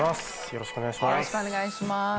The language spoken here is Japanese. よろしくお願いします。